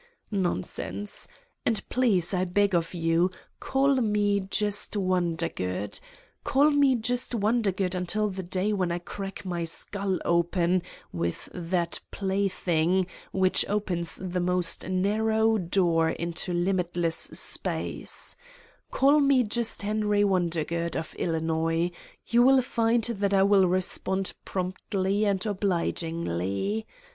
Nonsense! And, please, I beg of you, call Me just Wondergood. Call me just Wondergood until the day when I crack my skull open with that plaything which opens the most narrow door into limitless space* Call me just Henry Wonder good, of Illinois : you will find that I will respond promptly and obligingly.